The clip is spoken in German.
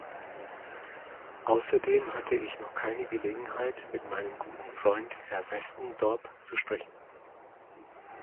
Außerdem hatte ich noch keine Gelegenheit, mit meinem guten Freund, Herrn Westendorp, zu sprechen.